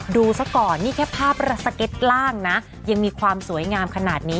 ซะก่อนนี่แค่ภาพสเก็ตล่างนะยังมีความสวยงามขนาดนี้